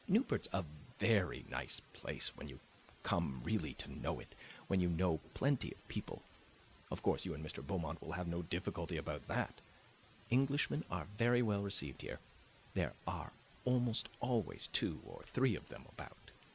Newport's a very nice place when you come really to know it, when you know plenty of people. Of course you and Mr. Beaumont will have no difficulty about that. Englishmen are very well received here; there are almost always two or three of them about.